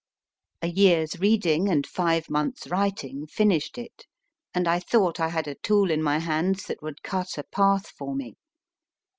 A year s reading and five months writing finished it, and I thought I had a tool in my hands that would cut a path for me.